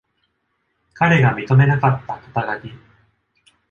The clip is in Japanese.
彼が認めなかった肩書き。